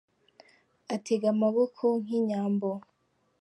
Atega amaboko nk'inyambo.